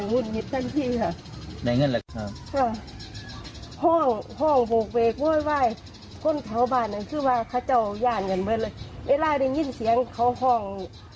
เวลาได้ยืนเสียงเขาห้อง